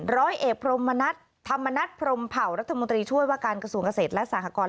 ร้อยเอกพรมนัฐธรรมนัฐพรมเผ่ารัฐมนตรีช่วยว่าการกระทรวงเกษตรและสหกร